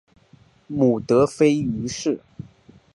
母德妃俞氏。